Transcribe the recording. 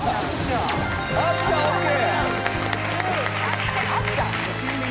あっちゃんＯＫ！